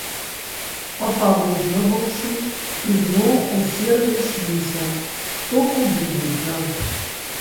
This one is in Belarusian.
Папалуднаваўшы, ізноў усе разышліся, хто куды відна.